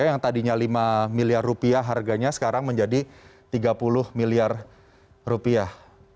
yang tadinya lima miliar rupiah harganya sekarang menjadi tiga puluh miliar rupiah